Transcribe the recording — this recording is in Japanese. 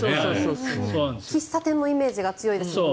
喫茶店のイメージが強いですけどね。